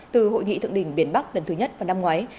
từ hội nghị thượng đỉnh biển bắc lần thứ nhất vào năm ngoái